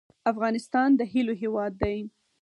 افغانستان د هیلو هیواد دی